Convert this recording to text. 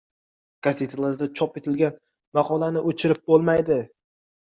Gazetalarda chop etilgan maqolani o‘chirib bo‘lmaydi